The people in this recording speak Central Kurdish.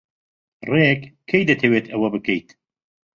ڕێک کەی دەتەوێت ئەوە بکەیت؟